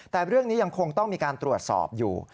แต่เรื่องนี้ยังคงต้องมีการตรวจสอบอยู่